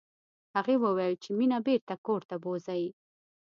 هغې وویل چې مينه بېرته کور ته بوزئ